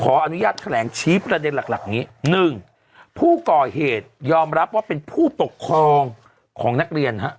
ขออนุญาตแถลงชี้ประเด็นหลักหลักอย่างนี้หนึ่งผู้ก่อเหตุยอมรับว่าเป็นผู้ปกครองของนักเรียนฮะ